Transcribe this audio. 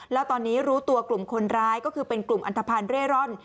แล้วตอนนี้รู้ตัวกลุ่มคนร้ายก็คือเป็นกลุ่มอันทภัณฑ์เร่ร่อน